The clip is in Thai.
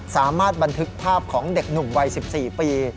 สามารถบันทึกภาพของเด็กหนุ่มวัย๑๔ปี